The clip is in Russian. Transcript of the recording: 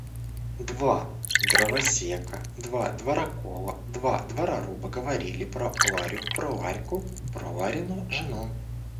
Два дровосека, два дровокола, два дроворуба говорили про Ларю, про Ларьку, про Ларину жену.